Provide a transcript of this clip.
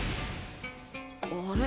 あれ？